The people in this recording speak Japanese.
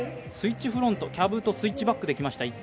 スイッチフロント、キャブとスイッチバックできました。